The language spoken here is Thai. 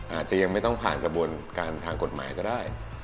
อาจจะยังไม่ต้องผ่านกระบวนการทางกฎหมายก็ได้